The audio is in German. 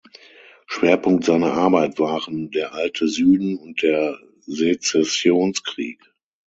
Schwerpunkt seiner Arbeit waren der „alte Süden“ und der Sezessionskrieg.